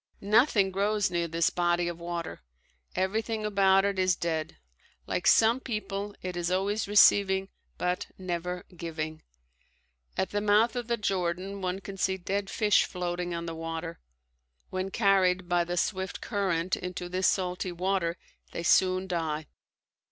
Nothing grows near this body of water. Everything about it is dead. Like some people, it is always receiving but never giving. At the mouth of the Jordan one can see dead fish floating on the water. When carried by the swift current into this salty water they soon die.